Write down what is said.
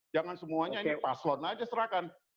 jangan semuanya ini paslon aja serahkan